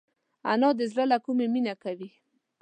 انا د زړه له کومي مینه کوي